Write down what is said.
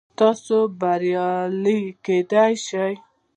تاسو بریالي کیدی شئ